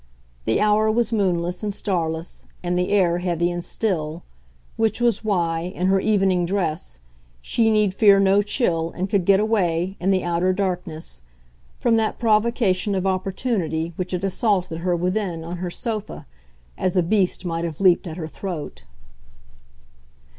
The hour was moonless and starless and the air heavy and still which was why, in her evening dress, she need fear no chill and could get away, in the outer darkness, from that provocation of opportunity which had assaulted her, within, on her sofa, as a beast might have leaped at her throat.